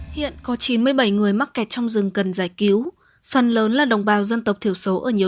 hiện có chín mươi bảy người mắc kẹt trong rừng cần giải cứu phần lớn là đồng bào dân tộc thiểu số ở nhiều